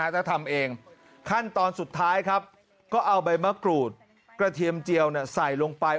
ถ้าทำเองขั้นตอนสุดท้ายครับก็เอาใบมะกรูดกระเทียมเจียวใส่ลงไป